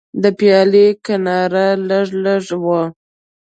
د پیالې کناره لږه کږه وه.